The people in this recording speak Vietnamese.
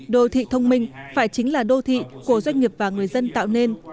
đô thị thông minh phải chính là đô thị của doanh nghiệp và người dân tạo nên